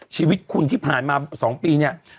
ชีวิตคุณที่ผ่านมา๒ปีเนี่ย